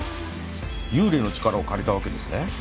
幽霊の力を借りたわけですね。